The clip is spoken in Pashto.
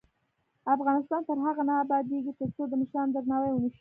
افغانستان تر هغو نه ابادیږي، ترڅو د مشرانو درناوی ونشي.